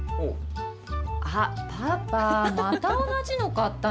あっ、パパ、また同じの買ったの？